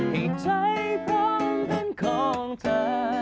ให้ใจพร้อมเป็นของเธอ